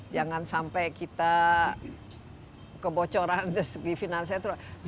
jangan sampai kita kebocoran di segi finansial